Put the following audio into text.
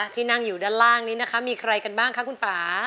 ที่นั่งอยู่ด้านล่างนี้นะคะมีใครกันบ้างคะคุณป่า